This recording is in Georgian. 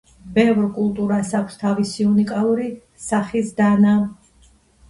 ბევრ კულტურას აქვს თავისი უნიკალური სახის დანა.